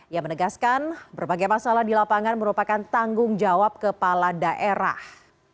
ia menegaskan berbagai masalah di lapangan merupakan tanggung jawab kepala daerah